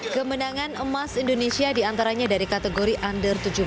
kemenangan emas indonesia diantaranya dari kategori under tujuh belas